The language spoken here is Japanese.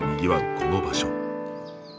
この場所。